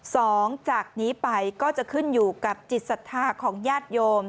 จากนี้ไปก็จะขึ้นอยู่กับจิตศรัทธาของญาติโยม